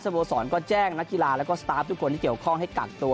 โบสรก็แจ้งนักกีฬาแล้วก็สตาร์ฟทุกคนที่เกี่ยวข้องให้กักตัว